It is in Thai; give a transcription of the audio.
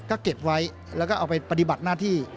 ก็เก็บไว้แล้วก็เอาไปปฏิบัติหน้าที่